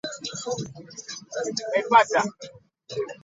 Data flows around the computer through the components of the computer.